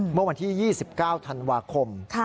เมื่อวันที่๒๙ธันวาคม